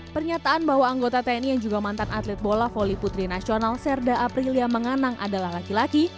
pernyataan bahwa anggota tni yang juga mantan atlet bola voli putri nasional serda aprilia menganang adalah laki laki